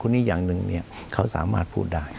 นี้อย่างหนึ่งเขาสามารถพูดได้